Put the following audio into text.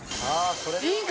いいか？